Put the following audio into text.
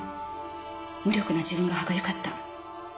無力な自分が歯がゆかった。